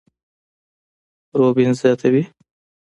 روبين زياتوي،